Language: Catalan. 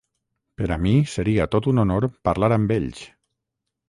Per a mi seria tot un honor parlar amb ells.